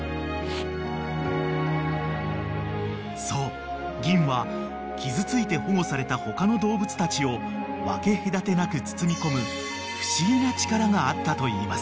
［そうぎんは傷ついて保護された他の動物たちを分け隔てなく包み込む不思議な力があったといいます］